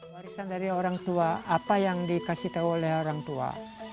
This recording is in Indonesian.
warisan dari orang tua apa yang dikasih tahu oleh orang tua